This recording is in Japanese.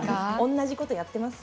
同じことをやっています。